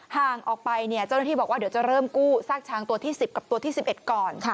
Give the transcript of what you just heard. ห่างออกไปเจ้าหน้าที่บอกว่าเดี๋ยวจะเริ่มกู้ซากช้างตัวที่๑๐กับตัวที่๑๑ก่อน